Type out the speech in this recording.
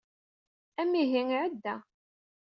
Amihi iɛedda.